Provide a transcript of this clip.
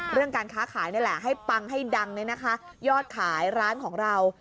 เรื่องการค้าขายนี่แหละให้ปังให้ดังเนี่ยนะคะยอดขายร้านของเรา